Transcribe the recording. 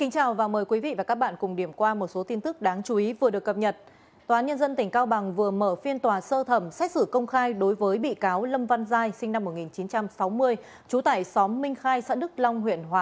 các bạn hãy đăng ký kênh để ủng hộ kênh của chúng mình nhé